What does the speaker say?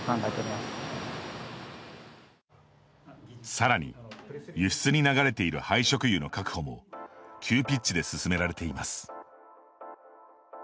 さらに、輸出に流れている廃食油の確保も急ピッチで進められています。